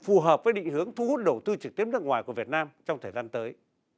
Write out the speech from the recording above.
phù hợp với định hướng thu hút đầu tư trực tiếp nước ngoài của việt nam trong thời gian tới